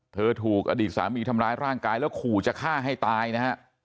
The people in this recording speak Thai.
ถูกอดีตสามีทำร้ายร่างกายแล้วขู่จะฆ่าให้ตายนะฮะ